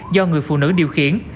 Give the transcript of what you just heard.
do người phụ nữ điều khiển